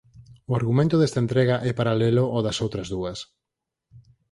O argumento desta entrega é paralelo ó das outras dúas.